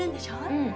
うん。